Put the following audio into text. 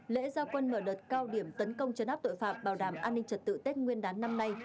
lễ gia quân mở đợt cao điểm tấn công chấn áp tội phạm bảo đảm an ninh trật tự tết nguyên đán năm nay